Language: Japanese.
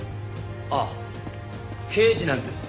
あっ刑事なんです